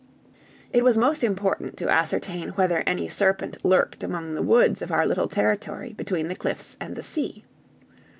It was most important to ascertain whether any serpent lurked among the woods of our little territory between the cliffs and the sea.